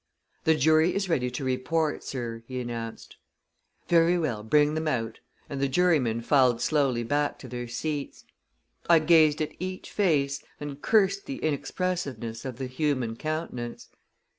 "The jury is ready to report, sir," he announced. "Very well; bring them out," and the jurymen filed slowly back to their seats. I gazed at each face, and cursed the inexpressiveness of the human countenance.